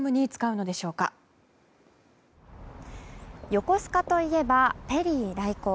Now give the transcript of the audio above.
横須賀といえばペリー来航。